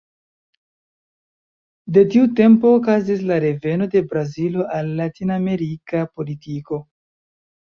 De tiu tempo okazis la reveno de Brazilo al latinamerika politiko.